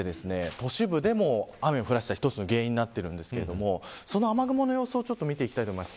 都市部でも雨を降らせた１つの原因になっているんですが雨雲の様子を見ていきたいと思います。